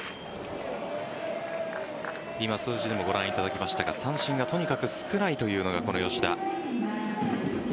今、数字でもご覧いただきましたが三振がとにかく少ないというのが吉田。